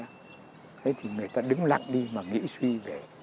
thế thì người ta đứng lặng đi mà nghĩ suy về